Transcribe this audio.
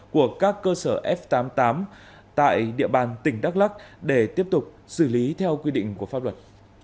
của các cơ sở f tám mươi tám tại địa bàn tỉnh đắk lắc để tiếp tục xử lý theo quy định của pháp luật